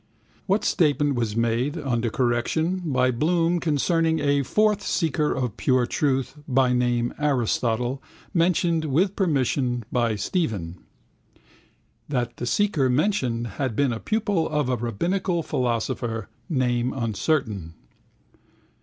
What statement was made, under correction, by Bloom concerning a fourth seeker of pure truth, by name Aristotle, mentioned, with permission, by Stephen? That the seeker mentioned had been a pupil of a rabbinical philosopher, name uncertain.